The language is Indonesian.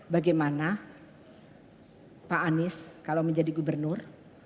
bagaimana pak anies kalau menjadi gubernur